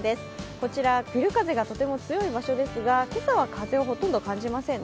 こちらビル風がとても強い場所ですが、今朝は風をほとんど感じませんね。